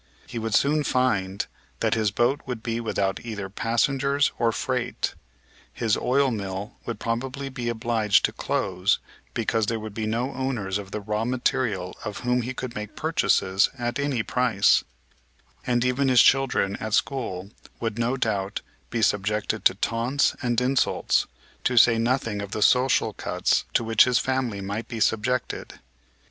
He would soon find that his boat would be without either passengers or freight; his oil mill would probably be obliged to close because there would be no owners of the raw material of whom he could make purchases at any price, and even his children at school would, no doubt, be subjected to taunts and insults, to say nothing of the social cuts to which his family might be subjected.